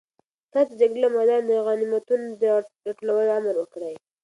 تاسو د جګړې له میدانه د غنیمتونو د راټولولو امر وکړئ.